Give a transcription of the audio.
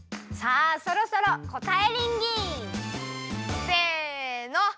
さあそろそろこたえりんぎ！せの！